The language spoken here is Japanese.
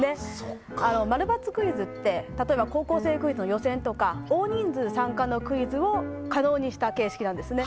〇×クイズって「高校生クイズ」の予選とか大人数参加のクイズを可能にした形式なんですね。